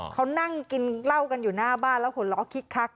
เขานั่งกินเหล้ากันอยู่หน้าบ้านแล้วหัวเราะคิกคัก